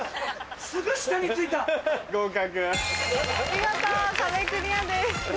見事壁クリアです。